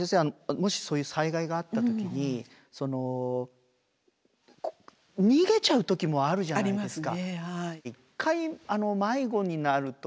もしそういう災害があった時に逃げちゃう時もあるじゃないですか。